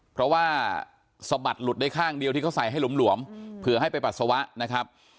เพราะว่าสมัติหลุดได้ข้างเดียวที่เขาใส่ให้หลุมเผื่อให้ไปปัสวะ